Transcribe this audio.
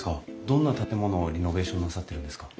どんな建物をリノベーションなさってるんですか？